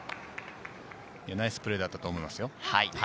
ナイスプレーだったと思いますよ。